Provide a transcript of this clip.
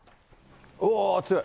うおー、強い。